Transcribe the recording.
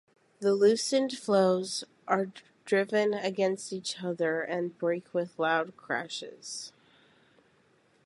The loosened floes are driven against each other and break with loud crashes.